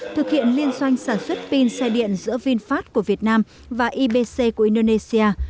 thực hiện liên doanh sản xuất pin xe điện giữa vinfast của việt nam và ibc của indonesia